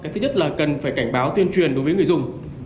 thứ nhất là cần phải cảnh báo tuyên truyền đối với người dùng